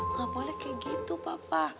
nggak boleh kayak gitu papa